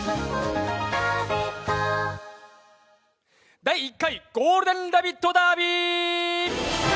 第１回「ゴールデンラヴィット！ダービー」